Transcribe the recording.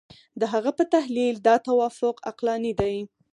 د هغه په تحلیل دا توافق عقلاني دی.